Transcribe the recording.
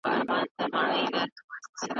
تعلیم د ټولنې بنسټ پیاوړی کوي.